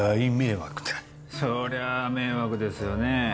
そりゃあ迷惑ですよね。